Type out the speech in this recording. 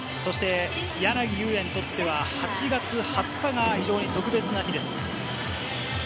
そして柳裕也にとっては８月２０日が非常に特別な日です。